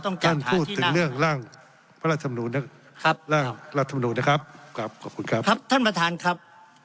ท่านพูดถึงเรื่องร่างรัฐธรรมดุลนะครับท่านประธานครับ